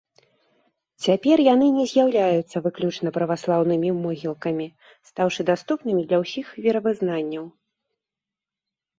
Цяпер яны не з'яўляюцца выключна праваслаўнымі могілкамі, стаўшы даступнымі для ўсіх веравызнанняў.